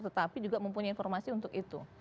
tetapi juga mempunyai informasi untuk itu